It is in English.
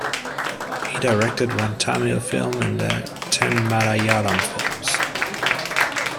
He directed one Tamil film and ten Malayalam films.